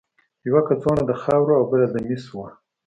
یوه کڅوړه د خاورو او بله د مسو وه.